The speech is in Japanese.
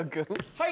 はい。